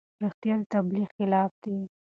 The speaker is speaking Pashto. رښتیا د تبلیغ خلاف دي.